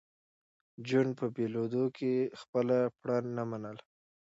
جون په بېلېدو کې خپله پړه نه منله